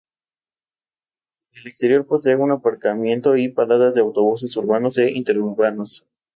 En el exterior posee un aparcamiento y paradas de autobuses urbanos e interurbanos.